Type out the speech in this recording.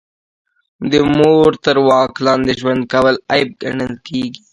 د مور تر واک لاندې ژوند کول عیب ګڼل کیږي